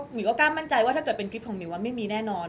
มิวก็กล้ามั่นใจว่าถ้าเกิดเป็นคลิปของหิวไม่มีแน่นอน